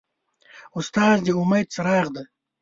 استاد د امید څراغ دی.